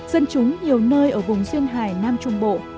dân chúng nhiều nơi ở vùng duyên hải nam trung bộ